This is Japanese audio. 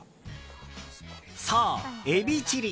そう、エビチリ！